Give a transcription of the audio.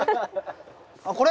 あっこれ？